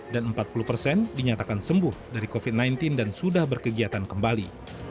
dan empat puluh persen dinyatakan sembuh dari covid sembilan belas dan sudah berkegiatan kembali